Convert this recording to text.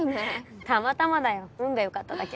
たまたまだよ運がよかっただけ。